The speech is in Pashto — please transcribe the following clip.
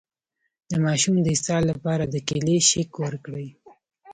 د ماشوم د اسهال لپاره د کیلي شیک ورکړئ